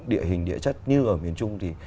địa hình địa chất như ở miền trung thì